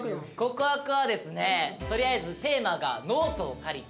告白はですねとりあえずテーマが「ノートを借りて」。